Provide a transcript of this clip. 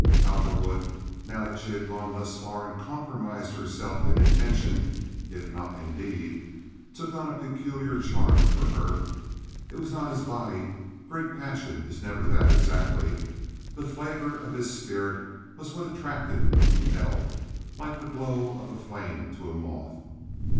Cowperwood, now that she had gone thus far and compromised herself in intention, if not in deed, took on a peculiar charm for her. It was not his body—great passion is never that, exactly. The flavor of his spirit was what attracted and compelled, like the glow of a flame to a moth.